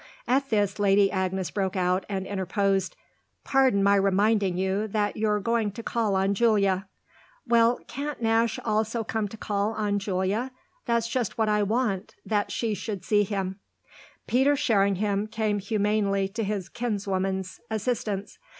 At this Lady Agnes broke out and interposed. "Pardon my reminding you that you're going to call on Julia." "Well, can't Nash also come to call on Julia? That's just what I want that she should see him." Peter Sherringham came humanely to his kinswoman's assistance.